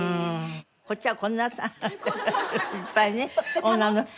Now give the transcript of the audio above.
こっちはこんないっぱいね女の人いる。